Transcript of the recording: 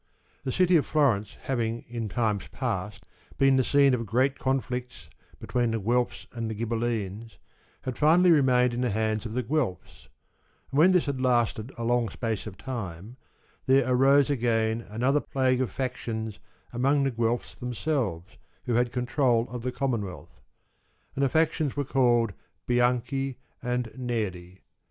The city of Florence having in times past been the scene of great conflicts between the Guelfs and Ghibellincs, had finally remained in the hands of the Guelfs ; and when this had lasted a long space of time there arose again another plague of factions amongst the Guelfs themselves who had control of the Commonwealth. And the factions were called Bianchi and Neri.